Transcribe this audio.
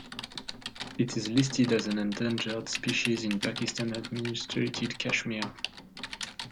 It is listed as an endangered species in Pakistan-administered Kashmir.